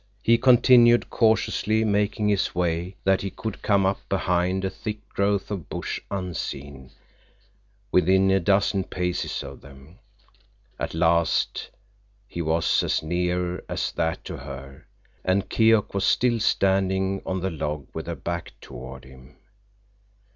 He continued cautiously, making his way so that he could come up behind a thick growth of bush unseen, within a dozen paces of them. At last he was as near as that to her, and Keok was still standing on the log with her back toward him.